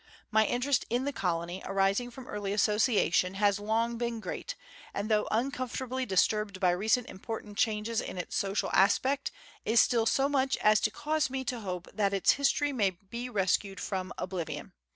My interest in the colony, arising from early association, has long been great, and though uncomfortably disturbed by recent important changes in its social aspect, is still so much as to cause me to hope that its history may be rescued from oblivion.